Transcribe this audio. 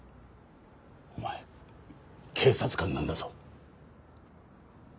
お前警察官なんだぞ。